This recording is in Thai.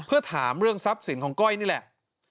เพื่อถามเรื่องทรัพย์สินของก้อยนี่แหละ